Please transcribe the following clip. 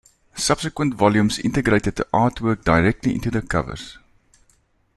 Subsequent volumes integrated the artwork directly into the covers.